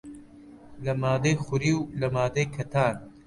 لە ماددەی خوری و لە ماددەی کەتان